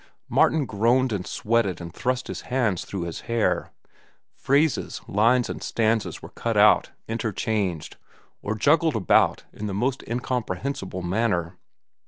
Martin groaned and sweated and thrust his hands through his hair. Phrases, lines, and stanzas were cut out, interchanged, or juggled about in the most incomprehensible manner.